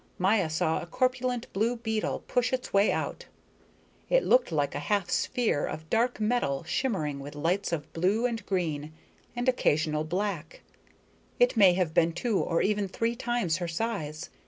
Maya saw a corpulent blue beetle push its way out. It looked like a half sphere of dark metal, shimmering with lights of blue and green and occasional black. It may have been two or even three times her size.